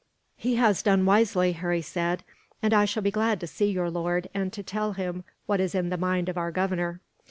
"He has done wisely," Harry said, "and I shall be glad to see your lord, and to tell him what is in the mind of our governor."